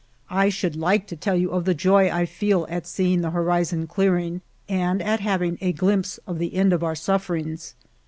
I should like to tell you of the joy I feel at seeing the horizon clearing and at having a glimpse of the end of our sufferings.